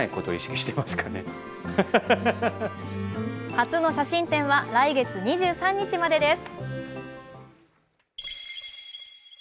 初の写真展は来月２３日までです。